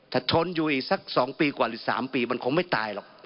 ถ้าชนอยู่อีกสัก๒ปีกว่าหรือ๓ปีมันคงไม่ตายหรอก